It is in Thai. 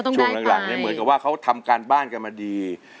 ช่วงหลังเหมือนกับว่าเขาทำการบ้านกันมาดี